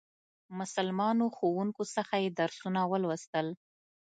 مسلمانو ښوونکو څخه یې درسونه ولوستل.